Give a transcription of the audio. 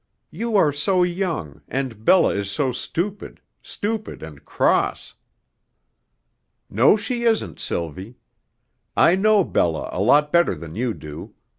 You are so young, and Bella is so stupid stupid and cross." "No, she isn't, Sylvie. I know Bella a lot better than you do.